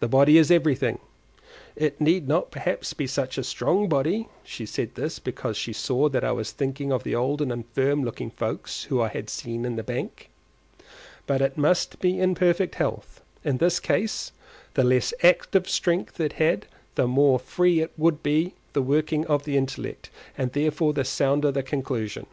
The body is everything: it need not perhaps be such a strong body (she said this because she saw that I was thinking of the old and infirm looking folks whom I had seen in the bank), but it must be in perfect health; in this case, the less active strength it had the more free would be the working of the intellect, and therefore the sounder the conclusion.